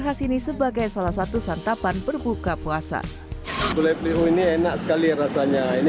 khas ini sebagai salah satu santapan berbuka puasa gulai peliru ini enak sekali rasanya ini